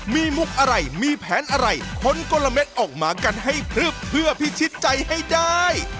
มีมุกอะไรมีแผนอะไรคนกลมออกมากันให้พลึบเพื่อพิชิตใจให้ได้